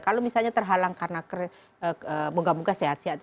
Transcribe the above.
kalau misalnya terhalang karena muka muka sehat sehat